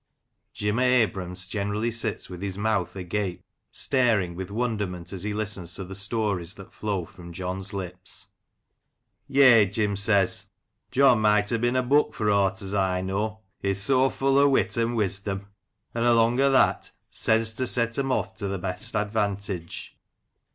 Jim o' Abram's generally sits with his mouth agape, staring with wonderment as he listens to the stories that flow from John's lips. " Yea," Jim says, " John might ha' been a book, for aught as I know, he's so full o' wit and wisdom, and along o' that, sense to set them off to th' best advantage."